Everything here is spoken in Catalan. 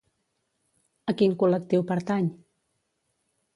A quin col·lectiu pertany?